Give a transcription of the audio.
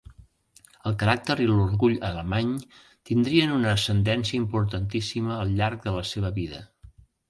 El caràcter i l'orgull alemany tindrien una ascendència importantíssima al llarg de la seva vida.